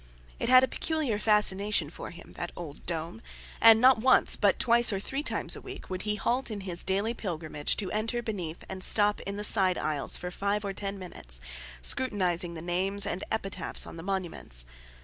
It had a peculiar fascination for him, that old dome, and not once, but twice or three times a week, would he halt in his daily pilgrimage to enter beneath and stop in the side aisles for five or ten minutes, scrutinizing the names and epitaphs on the monuments.